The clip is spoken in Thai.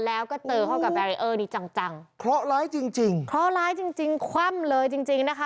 แล้วก็เตอร์เข้ากับบาริเออร์นี้จังเคราะห์ร้ายจริงเคราะห์ร้ายจริงคว่ำเลยจริงนะคะ